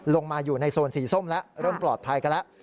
ลงมาอยู่ในโซนสีส้มแล้วเริ่มปลอดภัยกันแล้ว